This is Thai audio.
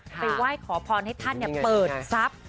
ไปไหว้ขอพรให้ท่านเนี่ยเปิดทรัพย์